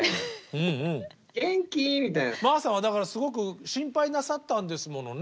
ＭＡＨさんはだからすごく心配なさったんですものね。